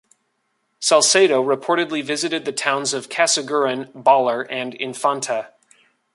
Salcedo reportedly visited the towns of Casiguran, Baler and Infanta.